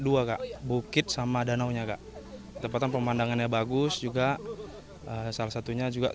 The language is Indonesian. dua kak bukit sama danau nya kak tempatan pemandangannya bagus juga salah satunya juga